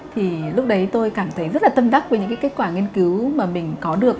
thì lúc đấy tôi cảm thấy rất là tâm đắc với những cái kết quả nghiên cứu mà mình có được